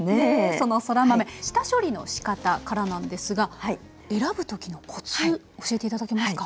そのそら豆下処理のしかたからなんですが選ぶ時のコツ教えて頂けますか？